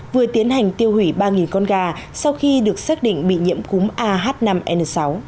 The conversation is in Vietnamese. vừa tiến hành tiêu hủy ba con gà sau khi được xác định bị nhiễm cúm ah năm n sáu